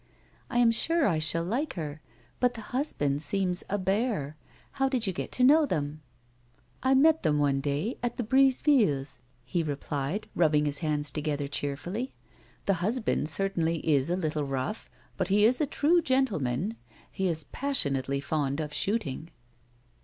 " I am sure I shall like her ; but the husband seems a bear. How did you get to know them 1 "" I met them one day at the Brisevilles," he replied^ i ub 124 A WOMAN'S LIFE. biiig his hands together cheerfully. " The husband cer tainly is a little rough, but he is a true gentleman. He is passionately fond of shooting."